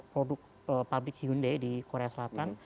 produk pabrik hyundai di korea selatan